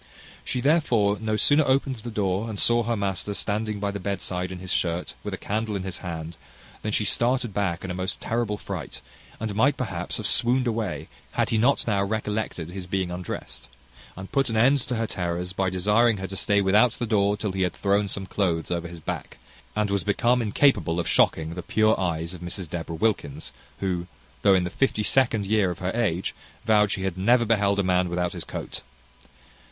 She therefore no sooner opened the door, and saw her master standing by the bedside in his shirt, with a candle in his hand, than she started back in a most terrible fright, and might perhaps have swooned away, had he not now recollected his being undrest, and put an end to her terrors by desiring her to stay without the door till he had thrown some cloathes over his back, and was become incapable of shocking the pure eyes of Mrs Deborah Wilkins, who, though in the fifty second year of her age, vowed she had never beheld a man without his coat.